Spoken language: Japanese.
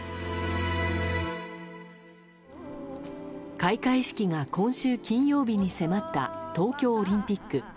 開会式が今週金曜日に迫った東京オリンピック。